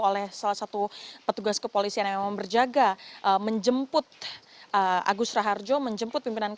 oleh salah satu petugas kepolisian yang memang berjaga menjemput agus raharjo menjemput pimpinan kpk